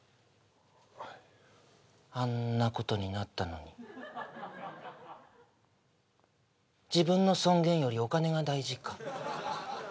はいあんなことになったのに自分の尊厳よりお金が大事か？